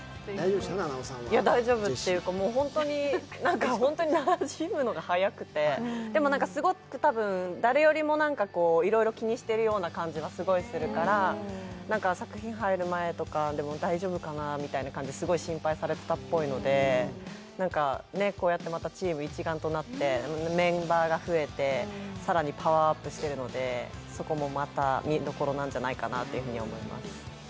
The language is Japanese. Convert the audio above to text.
大丈夫っていうか、ホントになじむのが早くてでもすごくたぶん誰よりもいろいろ気にしているような感じがすごくするから作品入る前とかも大丈夫かなとすごい心配されてたっぽいので、こうやってまたチーム一丸となってメンバーが増えて更にパワーアップしているので、そこもまた見どころなんじゃないかなというふうに思います。